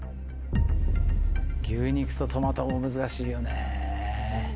牛肉とトマトも難しいよね。